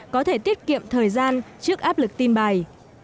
có thể tiết kiệm thời gian trước áp lực tin bài